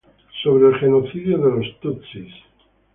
Sobre el genocidio de tutsis.